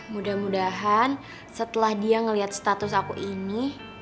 mudah mudahan setelah dia melihat status aku ini